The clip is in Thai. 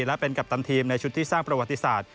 และเป็นกัปตันทีมในชุดที่สร้างประวัติศาสตร์